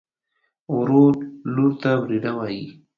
ورور لور ته وريره وايي.